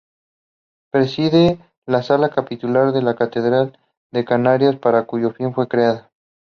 Preside la "Sala Capitular" de la Catedral de Canarias, para cuyo fin fue creada.